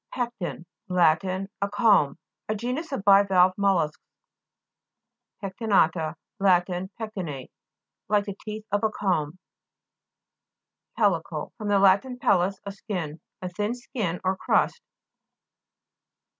PE'CTEK Lat. A comb. A genus of bivalve mollusks. PECTIKA'TA Lat. Pectinate; like the teeth of a comb. PE'LLICLE fr. lat. pellis, a skin. A thin skin, or crust.